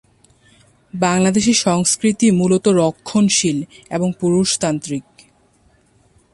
বাংলাদেশী সংস্কৃতি মূলত রক্ষণশীল এবং পুরুষতান্ত্রিক।